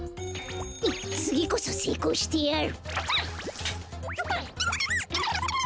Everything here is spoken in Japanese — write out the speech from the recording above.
つぎこそせいこうしてやる！